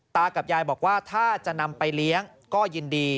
ตากับยายบอกว่าถ้าจะนำไปเลี้ยงก็ยินดี